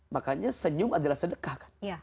makanya senyum adalah sedekah